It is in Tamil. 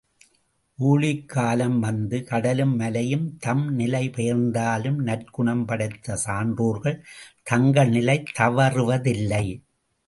ஊழிக்காலம் வந்து, கடலும் மலையும் தம் நிலை பெயர்ந்தாலும், நற்குணம் படைத்த சான்றோர்கள் தங்கள் நிலை தவறுவதில்லை.